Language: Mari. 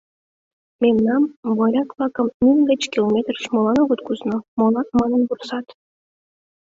Мемнам, моряк-влакым, миль гыч километрыш молан огыт кусно, манын вурсат.